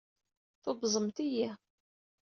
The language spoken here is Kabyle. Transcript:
Tubẓemt-iyi.